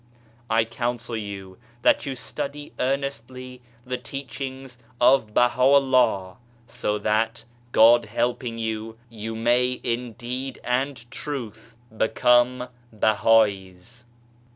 I counsel you that you study earnestly the teachings of Baha'u'llah, so that, God helping you, you may in deed and truth become Bahai's.